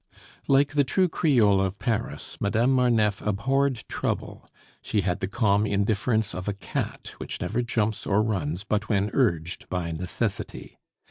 Like the true Creole of Paris, Madame Marneffe abhorred trouble; she had the calm indifference of a cat, which never jumps or runs but when urged by necessity.